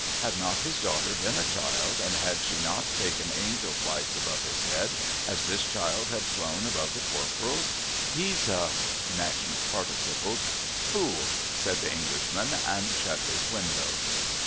Had not his daughter been a child, and had she not taken angel flights above his head as this child had flown above the Corporal's ? 'He's a' — National Participled — 'fool!' said the Englishman, and shut his window.